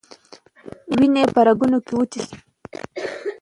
وینې یې په رګونو کې وچې شوې.